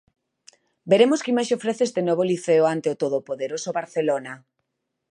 Veremos que imaxe ofrece este novo Liceo ante o todopoderoso Barcelona.